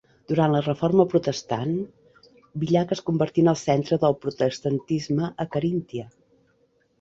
Durant la Reforma Protestant, Villach es convertí en el centre del protestantisme a Caríntia.